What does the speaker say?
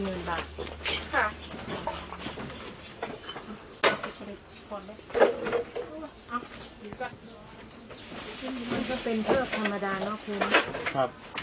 มันก็เป็นเพิ่มธรรมดาเนอะคุณ